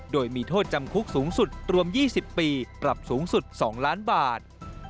โดยมีโทษจำคุกสูงสุดรวม๒๐ปีปรับสูงสุด๒ล้านบาท